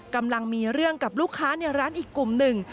กำลังมีเรื่องกับลูกค้าในร้านอีกกลุ่มหนึ่ง